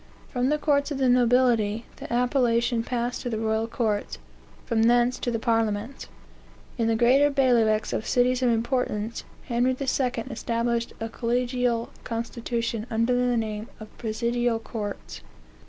From the courts of the nobility, the appellation passed to the royal courts; from thence to the parliaments. In the greater bailiwicks of cities of importance, Henry II. established a collegial constitution under the name of presidial courts...